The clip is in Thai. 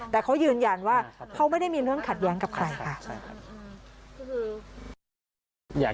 แต่เขายืนยันว่าเขาไม่ได้มีเรื่องขัดแย้งกับใครค่ะ